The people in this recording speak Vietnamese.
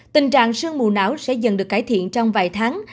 tình trạng sương mù não sẽ dần được cải thiện trong vài tháng